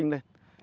nó sẽ kênh lên